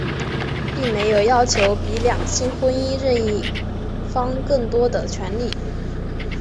并没有要求比两性婚姻任一方更多的权利。